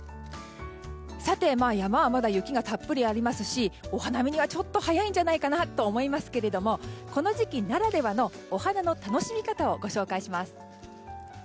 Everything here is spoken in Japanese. さて、山はまだ雪がたっぷりありますしお花見にはちょっと早いんじゃないかなと思いますけどもこの時期ならではのお花の楽しみ方をご紹介します。